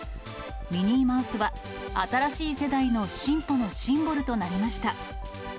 ミニーマウスは新しい世代の進歩のシンボルとなりました。